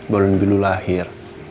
balun bilu lahir